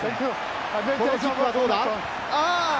このキックはどうだ？